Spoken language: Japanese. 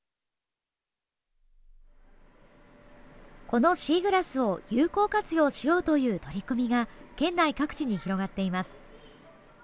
このシーグラスを有効活用しようという取り組みが県内各地に広がっています。